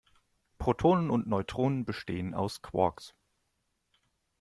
Protonen und Neutronen bestehen aus Quarks.